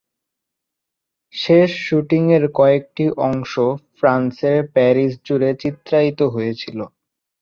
শেষ শুটিং এর কয়েকটি অংশ ফ্রান্সের প্যারিস জুড়ে চিত্রায়িত হয়েছিল।